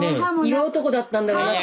色男だったんだろうなって。